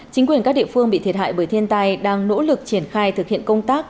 chính quyền các địa phương bị thiệt hại bởi thiên tai đang nỗ lực triển khai thực hiện công tác